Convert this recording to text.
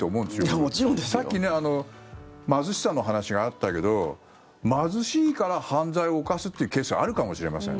いや、もちろんですよ。さっき貧しさの話があったけど貧しいから犯罪を犯すというケースはあるかもしれません。